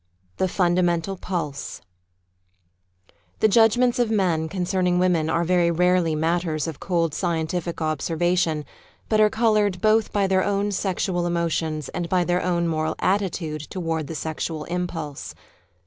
The Fundamental Pulse ike judgments of men concerning women are very rarely matters of cold scientific observation, but are coloured both by their own sexual emotions and by their own moral attitude toward the sexual impulse.